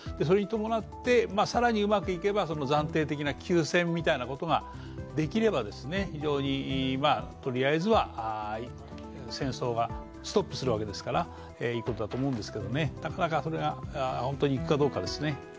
それにともなって、更にうまくいけば暫定的な休戦みたいなことができれば非常に、とりあえずは戦争がストップするわけですからいいことだと思うんですけどね、なかなかそれがいくかどうかですね。